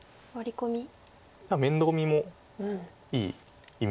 面倒見もいいイメージ。